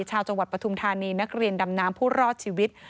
ชาวจังหวัดปฐุมธานีนักเรียนดำน้ำผู้รอดชีวิต